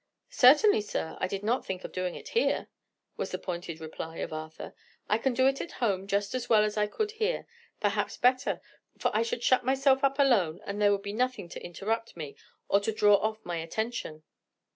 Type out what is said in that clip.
"Certainly, sir; I did not think of doing it here," was the pointed reply of Arthur. "I can do it at home just as well as I could here; perhaps better, for I should shut myself up alone, and there would be nothing to interrupt me, or to draw off my attention."